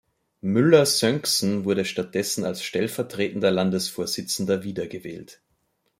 Müller-Sönksen wurde stattdessen als stellvertretender Landesvorsitzender wieder gewählt.